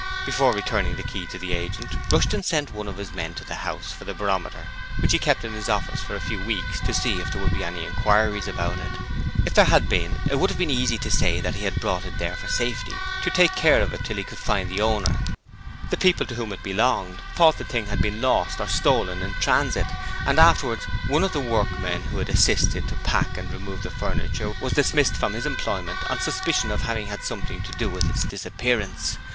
Before returning the key to the agent, Rushton sent one of his men to the house for the barometer, which he kept in his office for a few weeks to see if there would be any inquiries about it. If there had been, it would have been easy to say that he had brought it there for safety to take care of till he could find the owner. The people to whom it belonged thought the thing had been lost or stolen in transit, and afterwards one of the workmen who had assisted to pack and remove the furniture was dismissed from his employment on suspicion of having had something to do with its disappearance.